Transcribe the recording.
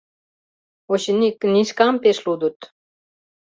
Очыни, книжкам пеш лудыт...»